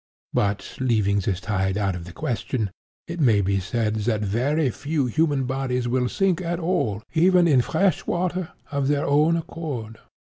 But, leaving this tide out of question, it may be said that very few human bodies will sink at all, even in fresh water, of their own accord.